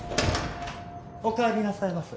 おかえりなさいませ。